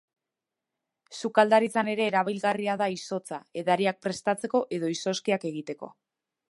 Sukaldaritzan ere erabilgarria da izotza, edariak prestatzeko edo izozkiak egiteko.